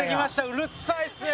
うるさいっすね！